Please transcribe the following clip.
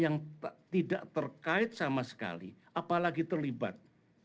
yang tidak terkait sama sekali apalagi terlibat